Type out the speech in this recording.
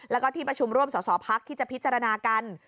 แล้วก็ที่ประชุมร่วมสอสอพักที่จะพิจารณากัน